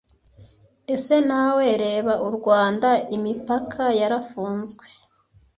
Ese nawe reba u Rwanda imipaka yarafunzwe